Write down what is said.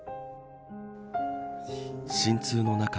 心痛の中